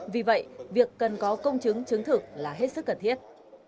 vì vậy việc cần có công chứng chứng thực là hết sức cần thiết